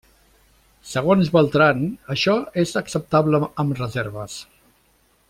Segons Beltran, això és acceptable amb reserves.